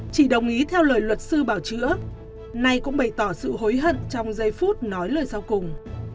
chị đồng ý theo lời luật sư bảo chữa nay cũng bày tỏ sự hối hận trong giây phút nói lời sau cùng